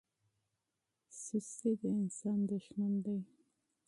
تنبلي د انسان دښمن ده.